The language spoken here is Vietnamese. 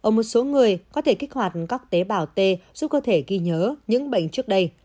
ở một số người có thể kích hoạt các tế bào t giúp cơ thể ghi nhớ những bệnh trước đây